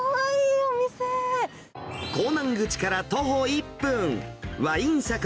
港南口から徒歩１分。